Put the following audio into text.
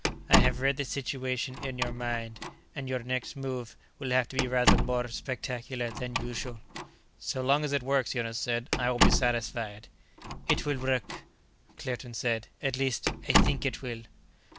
I have read the situation in your mind, and your next move will have to be rather more spectacular than usual." "So long as it works," Jonas said, "I will be satisfied." "It will work," Claerten said. "At least I think it will."